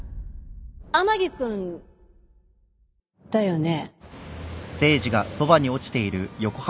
天樹君だよね？